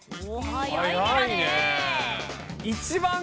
早いねえ。